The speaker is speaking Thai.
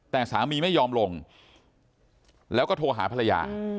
แต่สามีไม่ยอมลงแล้วก็โทรหาภรรยา